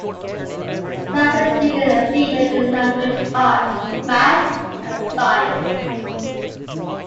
It assesses student achievement in language arts, math, and science.